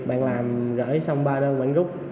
bạn làm gửi xong ba đơn bạn gúc